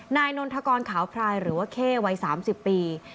นายนนทกขาวพลายหรือว่าเควัย๓๐ปี